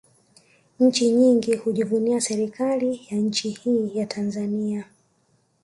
Nchi nyingi hujivunia serikali ya nchi hii ya Tanzania